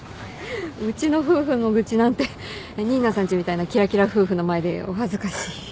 うちの夫婦の愚痴なんて新名さんちみたいなキラキラ夫婦の前でお恥ずかしい。